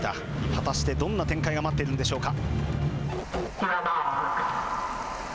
果たしてどんな展開が待っているんでしょうか。